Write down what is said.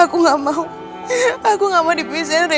aku nggak mau aku nggak mau dipisahin rena dari aku sama